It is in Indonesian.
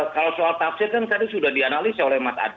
kalau soal tafsir kan tadi sudah dianalisis oleh mas adi